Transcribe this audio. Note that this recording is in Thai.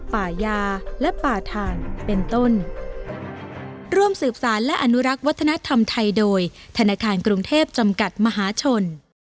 ป่ายาและป่าถ่านเป็นต้น